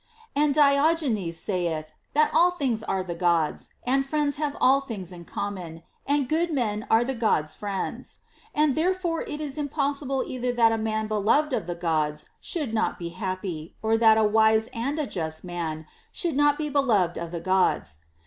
And Diogenes saith, that all things are the Gods', and friends have all things common, and good men are the Gods' friends ; and therefore it is impossible either that a man beloved of the Gods should not be happy, or that a wise and a just man should not be beloved of the Gods.